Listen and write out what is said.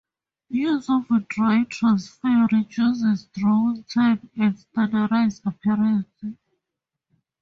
Use of a dry transfer reduces drawing time and standardizes appearance.